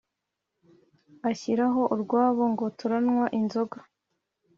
Ashyiraho urwabo ngo turanywa inzoga